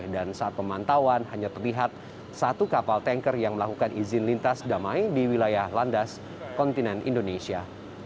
dan saat pemantauan hanya terlihat satu kapal tanker yang melakukan izin lintas damai di wilayah landas kontinen indonesia